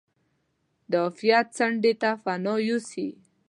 د عافیت څنډې ته پناه یوسي.